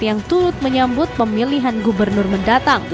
yang turut menyambut pemilihan gubernur mendatang